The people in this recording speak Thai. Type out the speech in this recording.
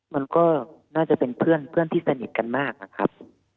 มันก็น่าจะเป็นเพื่อนที่สนิทกันมากนะครับ